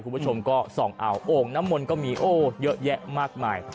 คุณผู้ชมก็ส่องเอาโอ่งน้ำมนต์ก็มีโอ้เยอะแยะมากมาย